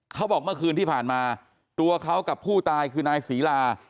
เขาบอกเมื่อคืนที่ผ่านมาตัวเขากับผู้ตายคือนายศรีลา